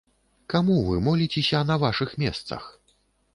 Каму вы моліцеся на вашых месах?